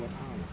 nggak ada anak